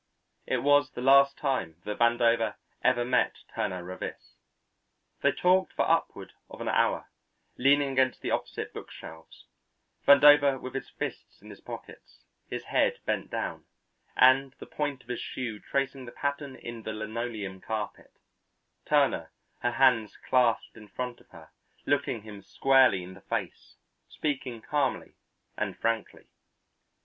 It was the last time that Vandover ever met Turner Ravis. They talked for upward of an hour, leaning against the opposite book shelves, Vandover with his fists in his pockets, his head bent down, and the point of his shoe tracing the pattern in the linoleum carpet; Turner, her hands clasped in front of her, looking him squarely in the face, speaking calmly and frankly.